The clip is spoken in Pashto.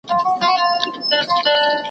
نه په لاس كي وو اثر د خياطانو